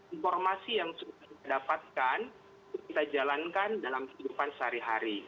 informasi yang sudah kita dapatkan itu kita jalankan dalam kehidupan sehari hari